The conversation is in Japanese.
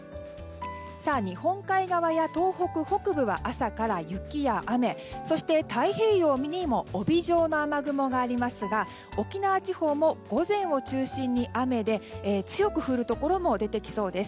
日本海側や東北北部は朝から雪や雨そして、太平洋にも帯状の雨雲がありますが沖縄地方も、午前を中心に雨で強く降るところも出てきそうです。